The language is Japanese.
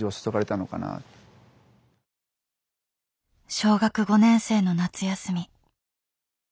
小学５年生の夏休み。